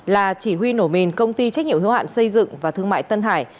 là chỉ huy nổ mìn công ty trách nhiệm hiếu hạn xây dựng và thương mại tân hải